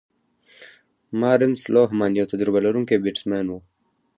مارنس لوهمان یو تجربه لرونکی بیټسمېن وو.